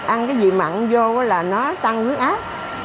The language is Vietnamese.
ăn cái gì mặn vô là nó tăng khuyết ác